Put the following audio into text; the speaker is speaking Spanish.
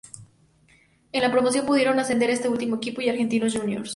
En la promociones pudieron ascender este último equipo y Argentinos Juniors.